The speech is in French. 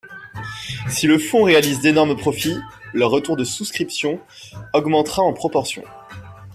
Si le fonds réalise d’énormes profits, leur retour de souscription augmentera en proportion.